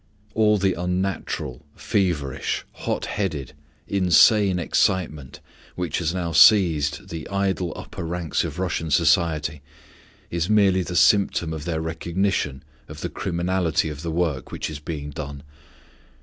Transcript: All the unnatural, feverish, hot headed, insane excitement which has now seized the idle upper ranks of Russian society is merely the symptom of their recognition of the criminality of the work which is being done.